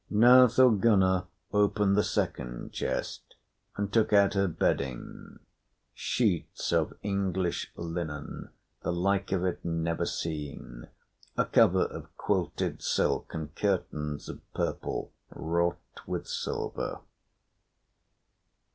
Now Thorgunna opened the second chest and took out her bedding sheets of English linen, the like of it never seen, a cover of quilted silk, and curtains of purple wrought with silver.